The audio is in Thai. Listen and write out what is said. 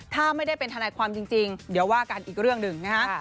ถ้าไม่ได้เป็นทนายความจริงเดี๋ยวว่ากันอีกเรื่องหนึ่งนะฮะ